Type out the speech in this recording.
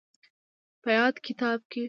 په ياد کتاب کې